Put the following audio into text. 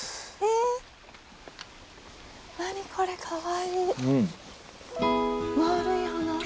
何これかわいい。